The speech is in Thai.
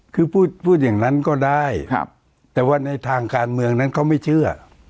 คือพูดอย่างนั้นก็ได้แต่ว่าในทางการเมืองนั้นเขาไม่เชื่อ